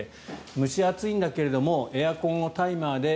蒸し暑いんだけれどもエアコンをタイマーで